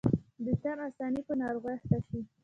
د تن آساني په ناروغۍ اخته شي.